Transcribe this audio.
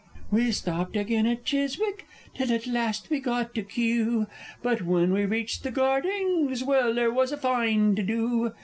_ We stopped again at Chiswick, till at last we got to Kew, But when we reached the Gardings well, there was a fine to do!